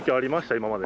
今まで。